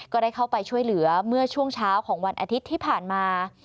ก็ได้เข้าไปช่วยเหลือเมื่อช่วงเช้าของวันอาทิตย์ที่ผ่านมา